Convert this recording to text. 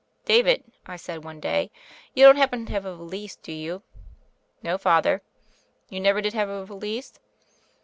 "David," I said one day, "you don't happen to have a valise, do you?" "No, Father." "You never did have a valise?"